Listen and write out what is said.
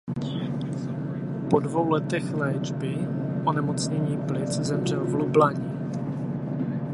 Po dvou letech léčby onemocnění plic zemřel v Lublani.